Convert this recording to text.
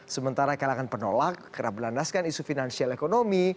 sementara kalangan penolak kerap berlandaskan isu finansial ekonomi